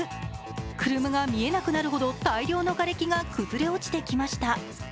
車が見えなくなるほど大量のがれきが崩れ落ちてきました。